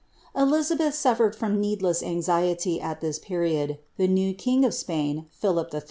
' Elizabeth snflercd from needless anxiety ai this period : the ne" kinj of Spain, Philip III.